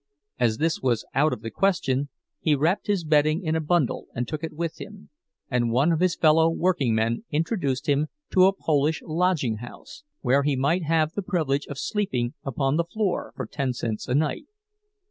As this was out of the question, he wrapped his bedding in a bundle and took it with him, and one of his fellow workingmen introduced him to a Polish lodging house, where he might have the privilege of sleeping upon the floor for ten cents a night.